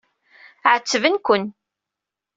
Ɛettben-ken.